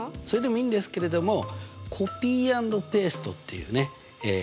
それでもいいんですけれどもコピー＆ペーストっていうね